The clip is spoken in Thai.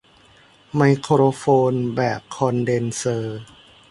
ไมโครโฟนแบบคอนเดนเซอร์